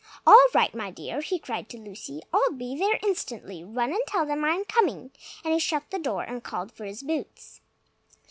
All right, my dear!" he cried to Lucy. "I'll be there instantly. Run and tell them I'm coming!" and he shut the door and called for his boots.